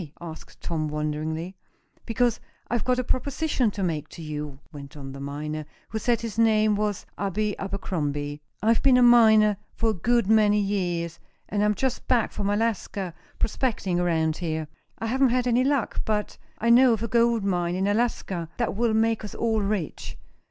asked Tom, wonderingly. "Because I've got a proposition to make to you," went on the miner, who said his name was Abe Abercrombie. "I've been a miner for a good many years, and I'm just back from Alaska, prospecting around here. I haven't had any luck, but I know of a gold mine in Alaska that will make us all rich.